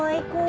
ya itu dong